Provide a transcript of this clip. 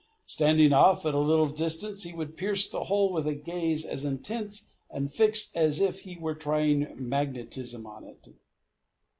Standing off at a little distance, he would pierce the hole with a gaze as intense and fixed as if he were trying magnetism on it.